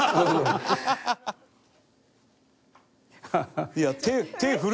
ハハハハ！